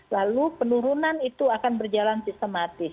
lalu penurunan itu akan berjalan sistematis